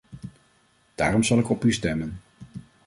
Daarom zal ik op u stemmen.